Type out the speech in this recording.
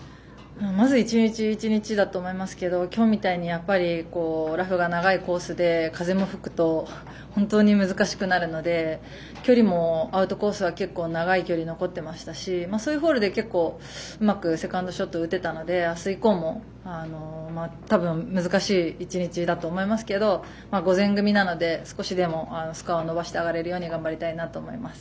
まず一日一日だと思いますけど今日みたいにラフが長いコースで風が吹くと本当に難しくなるので距離もアウトコースは結構長い距離残ってましたしそういう中でうまくセカンドショット打てたので、明日以降も多分、難しい１日だと思いますけど午前組なので少しでもスコアを伸ばして上がれるように頑張りたいなと思います。